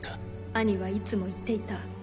兄はいつも言っていた。